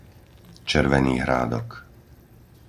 Červený Hrádok